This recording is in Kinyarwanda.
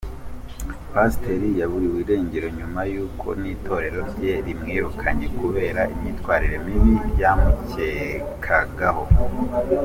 Pasiteri yaburiwe irengero nyuma y’uko n’itorero rye rimwirukanye kubera imyitwarire mibi ryamukekagaho.